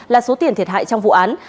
là số tiền thiệt hại trong vụ án